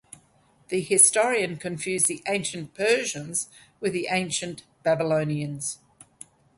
The historian confused the ancient Persians with the ancient Babylonians.